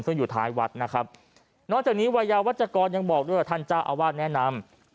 ซึ่งอยู่ท้ายวัดนะครับนอกจากนี้วัยยาวัชกรยังบอกด้วยท่านเจ้าอาวาสแนะนำ